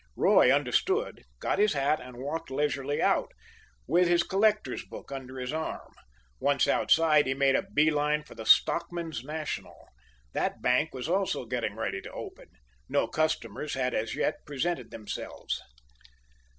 Roy understood, got his hat, and walked leisurely out, with his collector's book under his arm. Once outside, he made a bee line for the Stockmen's National. That bank was also getting ready to open. No customers had, as yet, presented themselves.